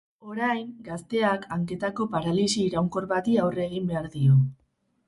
Orain, gazteak hanketako paralisi iraunkor bati aurre egin behar dio.